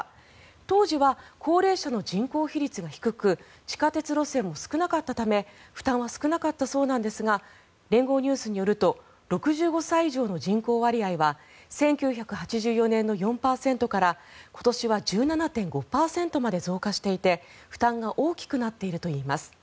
当時は高齢者の人口比率が低く地下鉄路線も少なかったため負担は少なかったそうなんですが連合ニュースによると６５歳以上の人口割合は１９８４年の４％から、今年は１７．５％まで増加していて負担が大きくなっているといいます。